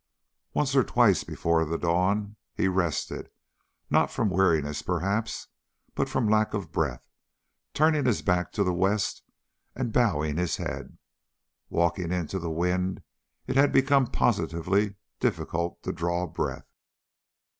Once or twice before the dawn, he rested, not from weariness perhaps, but from lack of breath, turning his back to the west and bowing his head. Walking into the wind it had become positively difficult to draw breath!